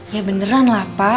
ya beneran lah pak